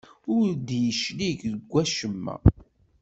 Ur d-yeclig deg wacemma.